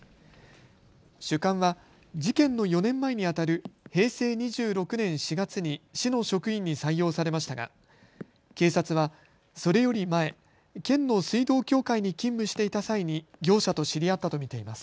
主幹は事件の４年前にあたる平成２６年４月に市の職員に採用されましたが警察はそれより前、県の水道協会に勤務していた際に業者と知り合ったと見ています。